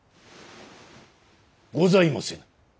ございませぬ。